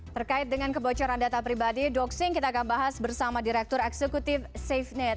terkait dengan kebocoran data pribadi doxing kita akan bahas bersama direktur eksekutif safenet